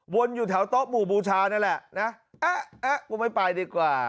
อยู่แถวโต๊ะหมู่บูชานั่นแหละนะกูไม่ไปดีกว่า